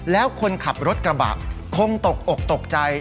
แล้วคนขับรถกระบะคงตกอกตกใจ